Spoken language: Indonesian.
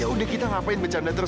ya udah kita ngapain bercanda terus